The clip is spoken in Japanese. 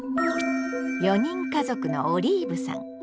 ４人家族のオリーブさん。